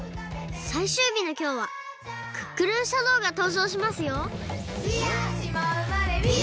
さいしゅうびのきょうはクックルンシャドーがとうじょうしますよ！